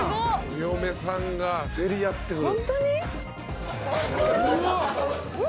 お嫁さんが競り合ってくる。